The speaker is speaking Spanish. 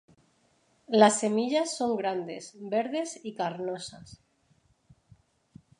Las semillas son grandes, verdes y carnosas.